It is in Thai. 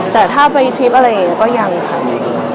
แต่ถ้าไปชิปอะไรก็ยังใช้